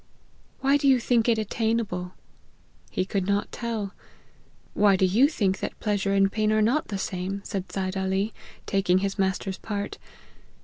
' Why do you think it attainable ?' He could not tell. ' Why do you think that pleasure and pain are not the same ?' said Seid AH, taking his master's part.